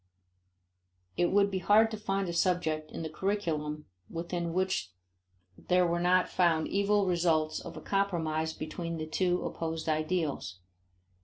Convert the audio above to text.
It would be hard to find a subject in the curriculum within which there are not found evil results of a compromise between the two opposed ideals.